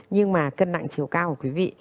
nhưng mà cân nặng chiều cao của quý vị